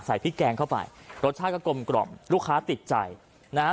พริกแกงเข้าไปรสชาติก็กลมกล่อมลูกค้าติดใจนะฮะ